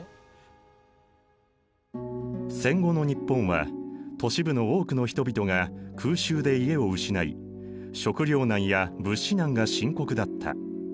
戦後の日本は都市部の多くの人々が空襲で家を失い食糧難や物資難が深刻だった。